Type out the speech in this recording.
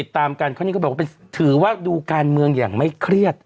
ตามกันเขานี่ก็บอกว่าถือว่าดูการเมืองอย่างไม่เครียด